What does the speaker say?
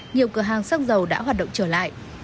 nhiều cửa hàng xăng dầu đã hoạt động trở lại